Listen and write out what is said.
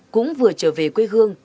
cũng vừa trở về quê hương